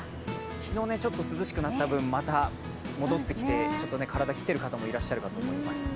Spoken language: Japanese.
昨日ちょっと涼しくなった分、また戻ってきてちょっと体にきている方もいらっしゃると思います。